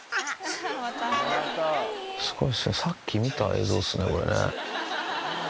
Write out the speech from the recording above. すごいですねさっき見た映像ですねこれね。